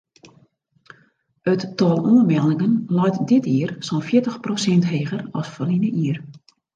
It tal oanmeldingen leit dit jier sa'n fjirtich prosint heger as ferline jier.